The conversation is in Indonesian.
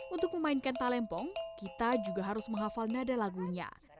untuk memainkan talempong kita juga harus menghafal nada lagunya